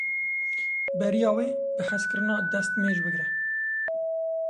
Beriya vê bi hezkirinê destmêj bigire.